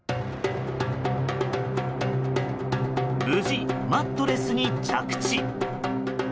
無事、マットレスに着地。